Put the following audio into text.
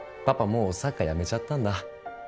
もうサッカー辞めちゃったんだ